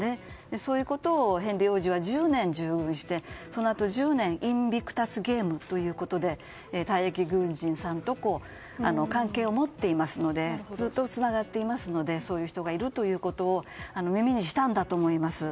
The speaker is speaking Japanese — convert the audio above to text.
そういうことをヘンリー王子は１０年従軍してそのあと１０年インビクタスゲームということで退役軍人さんと関係を持っていますのでずっとつながっていますのでそういう人がいるということを耳にしたんだと思います。